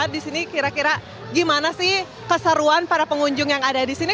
di sini kira kira gimana sih keseruan para pengunjung yang ada di sini